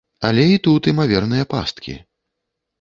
Але і тут імаверныя пасткі.